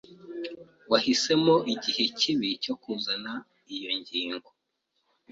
Wahisemo igihe kibi cyo kuzana iyo ngingo.